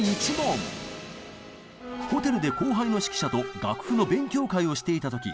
ホテルで後輩の指揮者と楽譜の勉強会をしていた時強盗が侵入。